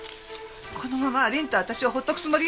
このままりんと私をほっとくつもり？